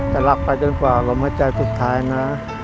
จะรักไปจนกว่าลมหัวใจสุดท้ายนะ